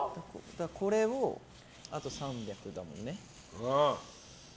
これを、あと３００だもんね。